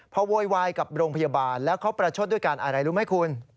พอโวยวายกับโรงพยาบาลแล้วเขาประชดด้วยการอะไรรู้ไหมคุณ